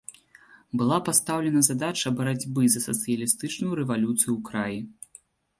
Была пастаўлена задача барацьбы за сацыялістычную рэвалюцыю ў краі.